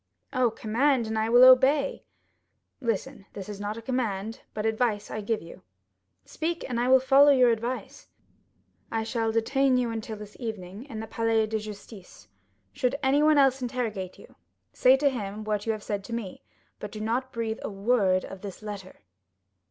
"Oh, command, and I will obey." "Listen; this is not a command, but advice I give you." "Speak, and I will follow your advice." "I shall detain you until this evening in the Palais de Justice. Should anyone else interrogate you, say to him what you have said to me, but do not breathe a word of this letter."